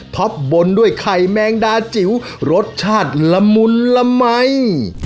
บนด้วยไข่แมงดาจิ๋วรสชาติละมุนละมัย